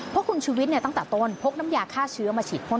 เพราะคุณชุวิตตั้งแต่ต้นพกน้ำยาฆ่าเชื้อมาฉีดพ่น